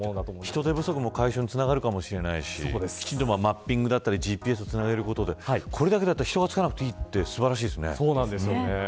人手不足の解消につながるかもしれないし、マッピングだったりＧＰＳをつなげることで人が付かなくていいというのは素晴らしいですね。